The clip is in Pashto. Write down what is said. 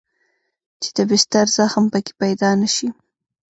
چې د بستر زخم پکښې پيدا نه سي.